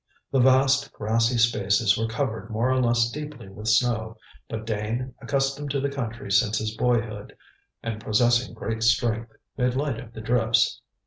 The vast grassy spaces were covered more or less deeply with snow, but Dane, accustomed to the country since his boyhood, and possessing great strength, made light of the drifts.